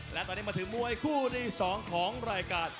และตอนนี้มาถึงมวยคู่ที่๒ของรายการ